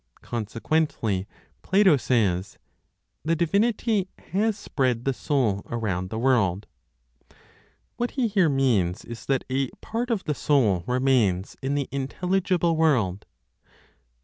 Consequently Plato says, "The divinity has spread the Soul around the world." What he here means is that a part of the Soul remains in the intelligible world.